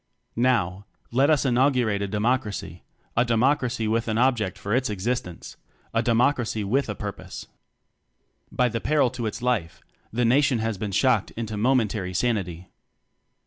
Now, let us inaugurate a Demo cracy a Democracy with an object for its existence a Democracy with a Purpose. By the peril to its life, the Nation has been shocked into momentary sanity.